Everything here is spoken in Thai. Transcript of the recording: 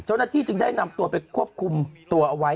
เจ้าหน้าที่จึงได้นำตัวไปควบคุมตัวเอาไว้